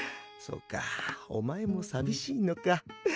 そうかお前も寂しいのか。